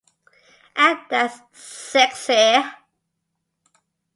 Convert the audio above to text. And that's sexy.